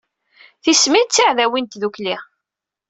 Tismin d tiɛdawin n tdukli.